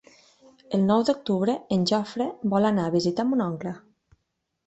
El nou d'octubre en Jofre vol anar a visitar mon oncle.